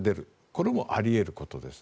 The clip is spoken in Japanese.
これもあり得ることです。